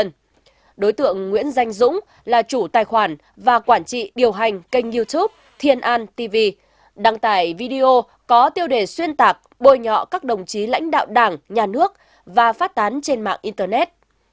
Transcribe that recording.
đối tượng nguyễn danh dũng là chủ tài khoản và quản trị điều hành kênh youtube thiên an tv đăng tải video có tiêu đề xuyên tạc bôi nhọ các đồng chí lãnh đạo đảng nhà nước và phát tán trên mạng internet